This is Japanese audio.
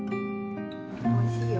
おいしいよ。